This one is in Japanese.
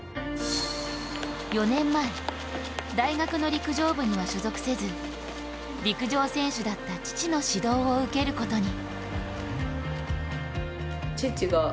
４年前、大学の陸上部には所属せず、陸上選手だった父の指導を受けることに。